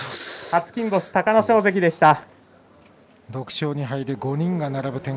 初金星、隆の勝関でした。